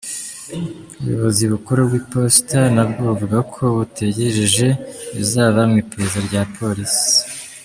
Ubuyobozi bukuru bw’iposita nabwo buvuga ko butegereje ibizava mu iperereza rya polisi.